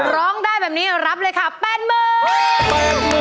ร้องได้แบบนี้รับเลยค่ะ๘๐๐๐บาท